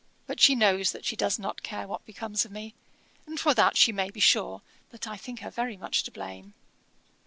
But she knows that she does not care what becomes of me, and for that she may be sure that I think her very much to blame.